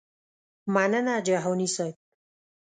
مننه جهاني صیب.